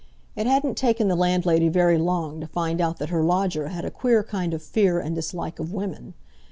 It hadn't taken the landlady very long to find out that her lodger had a queer kind of fear and dislike of women.